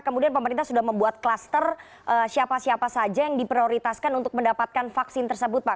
kemudian pemerintah sudah membuat klaster siapa siapa saja yang diprioritaskan untuk mendapatkan vaksin tersebut pak